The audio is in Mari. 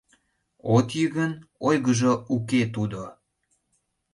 — От йӱ гын, ойгыжо уке тудо.